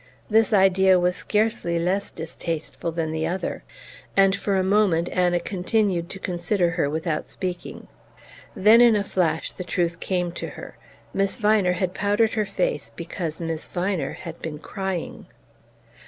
This idea was scarcely less distasteful than the other, and for a moment Anna continued to consider her without speaking. Then, in a flash, the truth came to her: Miss Viner had powdered her face because Miss Viner had been crying.